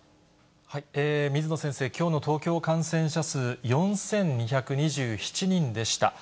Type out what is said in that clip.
水野先生、きょうの東京の感染者数４２２７人でした。